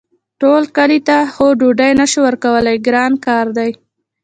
ټول کلي ته خو ډوډۍ نه شو ورکولی ګران کار دی.